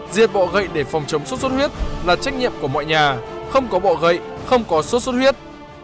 diệt bọ gậy để phòng chống sốt xuất huyết là trách nhiệm của mọi nhà không có bọ gậy không có sốt xuất huyết